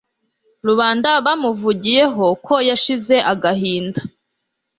rubanda bamuvugiyeho ko yashize agahinda